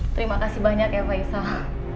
terima kasih banyak ya faisal